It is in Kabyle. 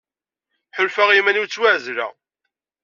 Ḥulfaɣ i iman-iw ttwaɛezleɣ.